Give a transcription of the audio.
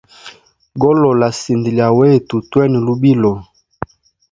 Golola sinda lya wetu twene lubilo.